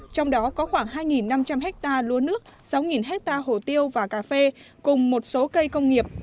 trong đó có khoảng hai năm trăm linh hectare lúa nước sáu hectare hồ tiêu và cà phê cùng một số cây công nghiệp